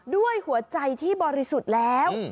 ด้วยหัวใจที่บริสุทธิ์แล้ว